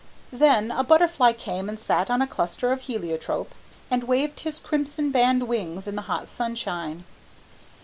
Then a butterfly came and sat on a cluster of heliotrope and waved his crimson banded wings in the hot sunshine.